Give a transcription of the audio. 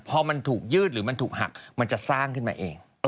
พอมันถูกยืดหรือมันถูกหักมันจะสร้างขึ้นมาเอง